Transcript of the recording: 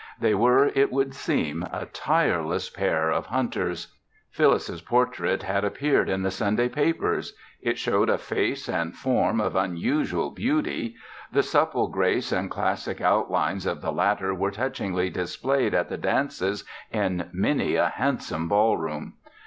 They were, it would seem, a tireless pair of hunters. Phyllis's portrait had appeared in the Sunday papers. It showed a face and form of unusual beauty. The supple grace and classic outlines of the latter were touchingly displayed at the dances in many a handsome ballroom.